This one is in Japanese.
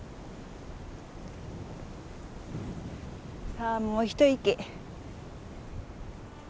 さあもう一息。